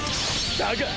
だが！